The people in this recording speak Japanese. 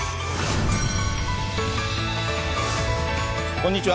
こんにちは。